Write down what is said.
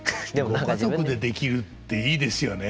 ご家族でできるっていいですよね。